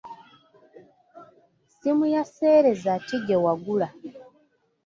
Ssimu ya sseereza ki gye wagula?